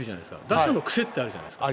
打者の癖ってあるじゃないですか